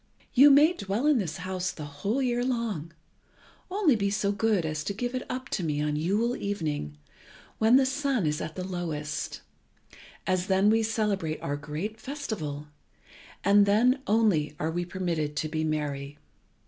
You may dwell in this house the whole year long, only be so good as to give it up to me on Yule evening, when the sun is at the lowest, as then we celebrate our great festival, and then only are we permitted to be merry.